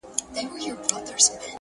خو د کلي دننه درد لا هم ژوندی دی,